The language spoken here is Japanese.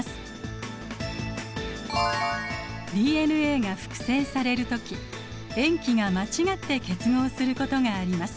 ＤＮＡが複製される時塩基が間違って結合することがあります。